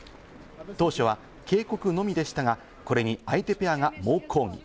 当初は警告のみでしたが、これに相手ペアが猛抗議。